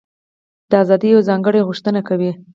دا ازادي یوه ځانګړې غوښتنه کوي.